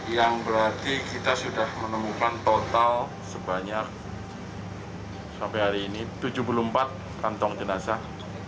yang berarti kita sudah menemukan total sebanyak sampai hari ini tujuh puluh empat kantong jenazah